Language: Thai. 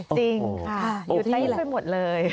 จริงค่ะอยู่ใต้ทุกคนหมดเลย